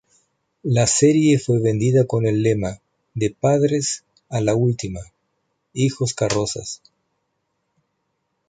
La serie fue vendida con el lema ""De padres a la última, hijos carrozas"".